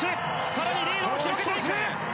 さらにリードを広げていく！